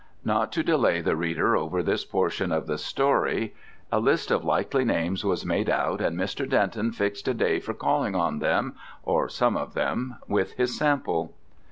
Not to delay the reader over this portion of the story, a list of likely names was made out, and Mr. Denton fixed a day for calling on them, or some of them, with his sample.